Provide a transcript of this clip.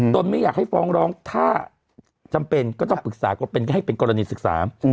ไม่อยากให้ฟ้องร้องถ้าจำเป็นก็ต้องปรึกษาก็เป็นให้เป็นกรณีศึกษา